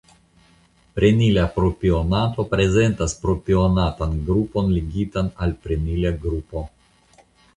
Prenila propionato prezentas propionatan grupon ligitan al prenila grupo.